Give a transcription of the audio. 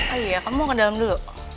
oh iya kamu mau ke dalam dulu